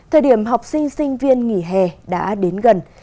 thời điểm học sinh sinh viên nghỉ hè đã đến gần